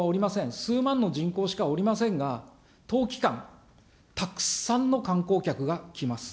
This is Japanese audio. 数万の人口しかおりませんが、冬期間、たくさんの観光客が来ます。